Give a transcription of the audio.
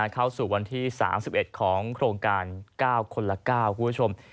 เข้าสู่วันที่๓๑ของโครงการ๙คนละ๙คุณผู้ชม